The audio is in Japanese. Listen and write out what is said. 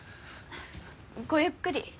ごゆっくり。